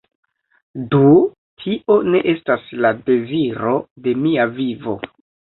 Do tio ne estas la deziro de mia vivo